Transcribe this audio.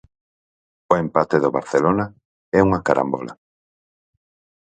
O empate do Barcelona é unha carambola.